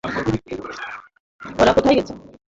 ওরা কোথায় গেছে?